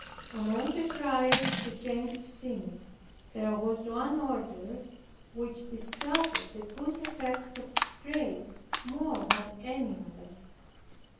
Among the friars who came to see me, there was one order which discovered the good effects of grace more than any other.